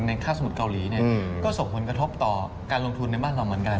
ค่าสมุทรเกาหลีก็ส่งผลกระทบต่อการลงทุนในบ้านเราเหมือนกัน